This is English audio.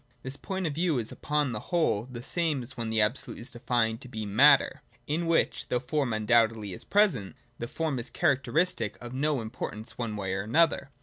This point of view is upon the whole the same as when the Absolute is defined to be Matter, in which, though form undoubtedly is present, the form is a characteristic of no importance one way or another.